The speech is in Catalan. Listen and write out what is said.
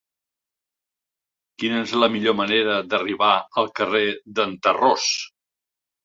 Quina és la millor manera d'arribar al carrer d'en Tarròs?